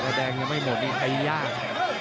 แล้วแดงยังไม่หมดมีไอรี่ย่าง